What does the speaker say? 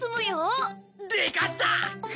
でかした！